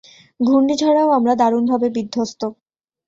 ঘূর্ণিঝড়েও আমরা দারুণভাবে বিধ্বস্ত।